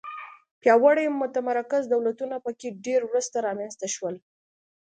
پیاوړي متمرکز دولتونه په کې ډېر وروسته رامنځته شول.